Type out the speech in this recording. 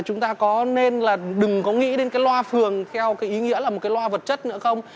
chúng ta có nên là đừng có nghĩ đến cái loa phường theo cái ý nghĩa là một cái loa vật chất nữa không